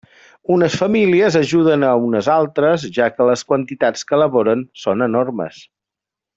Unes famílies ajuden a unes altres, ja que les quantitats que elaboren són enormes.